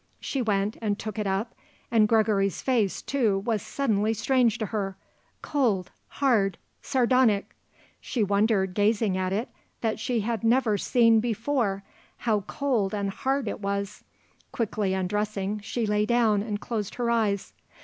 She went and took it up, and Gregory's face, too, was suddenly strange to her; cold, hard, sardonic. She wondered, gazing at it, that she had never seen before how cold and hard it was. Quickly undressing she lay down and closed her eyes.